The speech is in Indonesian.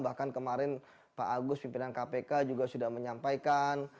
bahkan kemarin pak agus pimpinan kpk juga sudah menyampaikan